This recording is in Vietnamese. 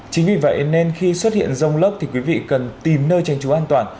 chính vì vậy nên khi xuất hiện rông lớp thì quý vị cần tìm nơi trang trú an toàn